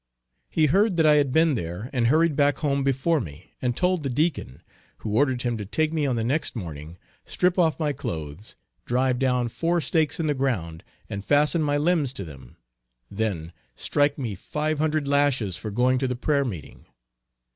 He heard that I had been there and hurried back home before me and told the Deacon, who ordered him to take me on the next morning, strip off my clothes, drive down four stakes in the ground and fasten my limbs to them; then strike me five hundred lashes for going to the prayer meeting.